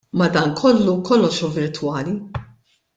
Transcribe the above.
Madankollu kollox hu virtwali.